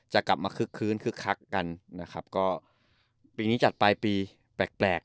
กลับมาคึกคืนคึกคักกันนะครับก็ปีนี้จัดปลายปีแปลกแปลก